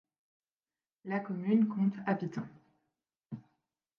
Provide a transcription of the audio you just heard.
La commune compte habitants.